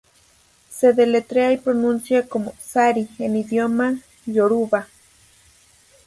Se deletrea y pronuncia como "sari" en idioma yoruba.